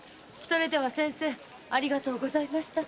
それでは先生ありがとうございました。